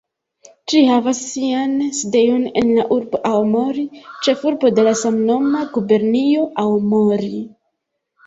Ĝi havas sian sidejon en la urbo Aomori, ĉefurbo de la samnoma gubernio Aomori.